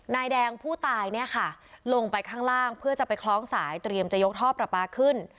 นายแดงผู้ตายเนี่ยค่ะลงไปข้างล่างเพื่อจะไปคล้องสายเตรียมจะยกท่อประปาขึ้น